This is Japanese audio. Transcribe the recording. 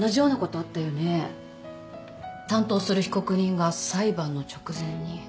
担当する被告人が裁判の直前に。